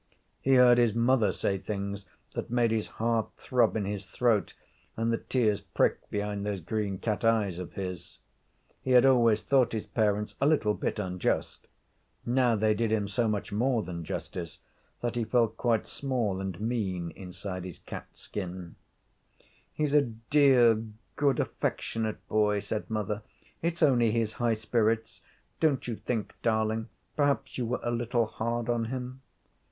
He heard his mother say things that made his heart throb in his throat and the tears prick behind those green cat eyes of his. He had always thought his parents a little bit unjust. Now they did him so much more than justice that he felt quite small and mean inside his cat skin. [Illustration: He landed there on his four padded feet light as a feather.] 'He's a dear, good, affectionate boy,' said mother. 'It's only his high spirits. Don't you think, darling, perhaps you were a little hard on him?'